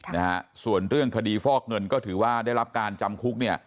นะฮะส่วนเรื่องคดีฟอกเงินก็ถือว่าได้รับการจำคุกเนี่ย